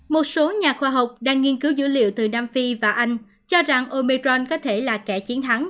một số nhà khoa học đang nghiên cứu dữ liệu từ nam phi và anh cho rằng omicron có thể là kẻ trẻ